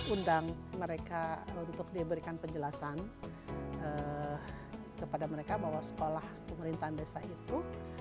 undang mereka untuk diberikan penjelasan kepada mereka bahwa sekolah pemerintahan desa itu